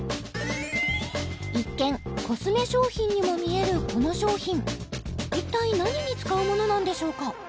一見コスメ商品にも見えるこの商品一体何に使うものなんでしょうか？